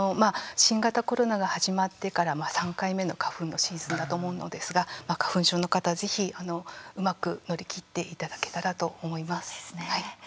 新型コロナが始まってから３回目の花粉のシーズンだと思うのですが花粉症の方、ぜひうまく乗り切っていただけたらと思います。